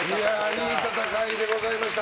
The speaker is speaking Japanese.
いい戦いでございました。